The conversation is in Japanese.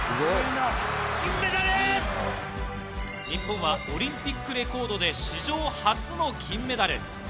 日本はオリンピックレコードで史上初の金メダル。